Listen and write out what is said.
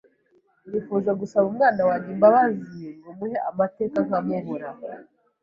nifuje gusaba umwana wanjye imbabazi ngo muhe amateka nkamubura!